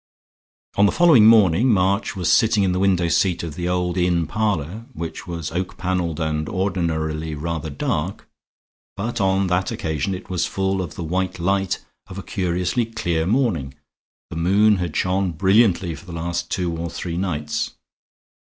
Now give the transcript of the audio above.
On the following morning, March was sitting in the window seat of the old inn parlor, which was oak paneled and ordinarily rather dark; but on that occasion it was full of the white light of a curiously clear morning the moon had shone brilliantly for the last two or three nights.